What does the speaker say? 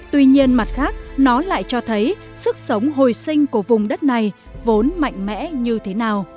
tuy nhiên mặt khác nó lại cho thấy sức sống hồi sinh của vùng đất này vốn mạnh mẽ như thế nào